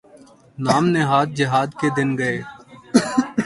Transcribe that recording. نام نہاد جہاد کے دن گئے۔